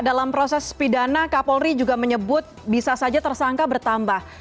dalam proses pidana kapolri juga menyebut bisa saja tersangka bertambah